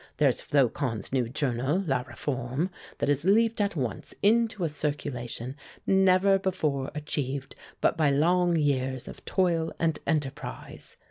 There's Flocon's new journal, 'La Réforme,' that has leaped at once into a circulation never before achieved but by long years of toil and enterprise.